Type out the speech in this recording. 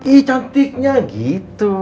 ih cantiknya gitu